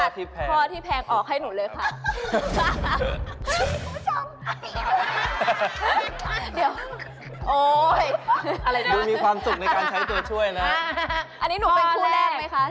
อันนี้หนูเป็นคู่แรกไหมคะ